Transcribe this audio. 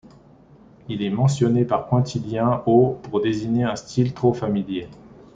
Il est mentionné par Quintilien au pour désigner un style trop familier.